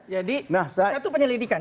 jadi satu penyelidikan